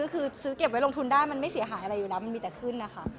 คือซื้อเก็บไว้ลงทุนได้มันไม่เสียหายอะไรอยู่แล้วมันมีแต่ขึ้นนะคะ